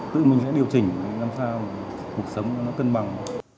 tự mình sẽ điều chỉnh làm sao để cuộc sống nó cân bằng